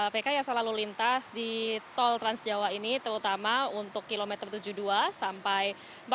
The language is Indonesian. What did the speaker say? rekayasa lalu lintas di tol transjawa ini terutama untuk kilometer tujuh puluh dua sampai